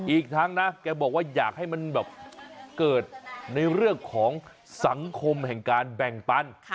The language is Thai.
อีกทั้งนะแกบอกว่าอยากให้มันแบบเกิดในเรื่องของสังคมแห่งการแบ่งปัน